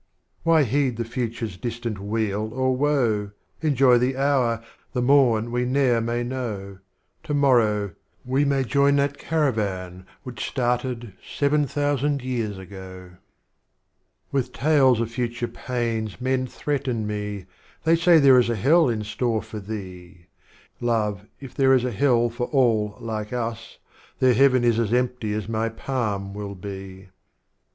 XVIIl. Why heed the Future's distant Weal or Woe? Enjoy the Hour, the Morn we ne'er may know; To morrow, — we may join that Caravan Which started Seven Thousand Years ago.' Strophes of Omar Khayyam. XIX. With Tales of future pains men threaten me, They say there is a Hell in store for thee; — Love, if there is a Hell for all like us, Their Heaven as empty as my Palm will be.